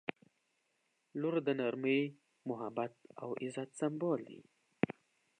• لور د نرمۍ، محبت او عزت سمبول دی.